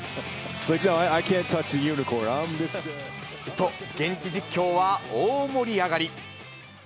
と、現地実況は大盛り上がり。